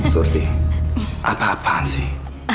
surti apa apaan sih